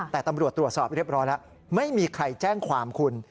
แต่ตำรวจตรวจสอบเรียบร้อยแล้วไม่มีใครแจ้งความคุณ